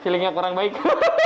feelingnya kurang baik